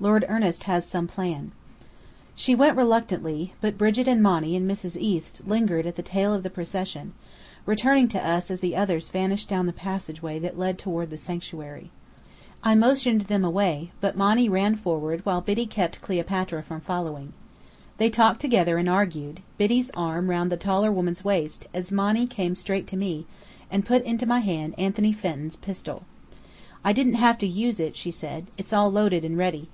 Lord Ernest has some plan." She went reluctantly; but Brigit and Monny and Mrs. East lingered at the tail of the procession, returning to us as the others vanished down the passage that led toward the sanctuary. I motioned them away, but Monny ran forward, while Biddy kept Cleopatra from following. They talked together and argued, Biddy's arm round the taller woman's waist, as Monny came straight to me, and put into my hand Anthony Fenton's pistol. "I didn't have to use it," she said. "It's all loaded and ready.